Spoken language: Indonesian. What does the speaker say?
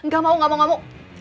gak mau gak mau gak mau